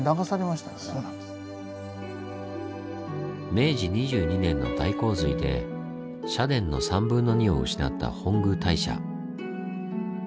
明治２２年の大洪水で社殿の３分の２を失った本宮大社。